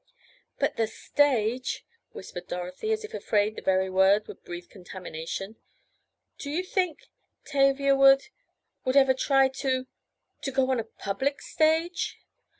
"But the stage," whispered Dorothy, as if afraid the very word would breathe contamination. "Do you think—Tavia would—would ever try to—to go on a public stage?"